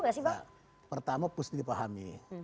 gak sih pak pertama harus dipahami